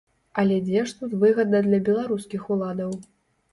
Але дзе ж тут выгада для беларускіх уладаў?